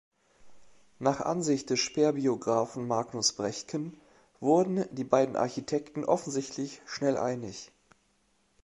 Nach Ansicht des Speer-Biografen Magnus Brechtken wurden die beiden Architekten offensichtlich schnell einig.